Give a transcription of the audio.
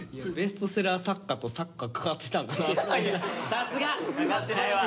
さすが！かかってないわ。